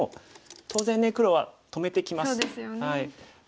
当然ね黒は止めてきます。